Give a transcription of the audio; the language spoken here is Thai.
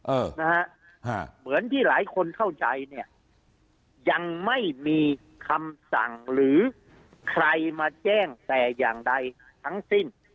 นะฮะเหมือนที่หลายคนเข้าใจเนี่ยยังไม่มีคำสั่งหรือใครมาแจ้งแต่อย่างใดทั้งสิ้น